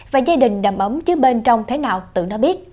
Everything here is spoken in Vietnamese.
và gia đình đầm ấm chứ bên trong thế nào tự nó biết